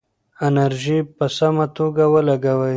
انرژي په سمه توګه ولګوئ.